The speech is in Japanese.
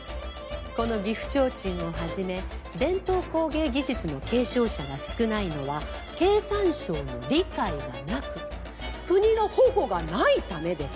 この岐阜提灯をはじめ伝統工芸技術の継承者が少ないのは経産省の理解がなく国の保護がないためです。